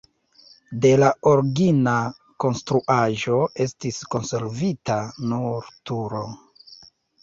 De la origina konstruaĵo estis konservita nur turo.